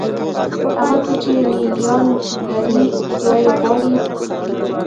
هغه څه چې لې لیان لري یا یې غواړي.